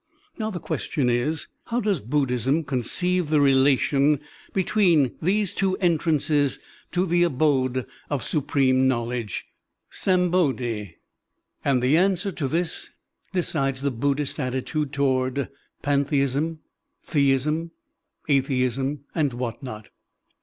Now, the question is, " How does Buddhism conceive the relation between these two entrances to the abode of Supreme Knowledge (safnbodhi) ?" And the answer to this decides the Buddhist attitude towards pantheism, theism, atheism, and what not.